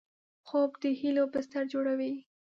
خوب د هیلو بستر جوړوي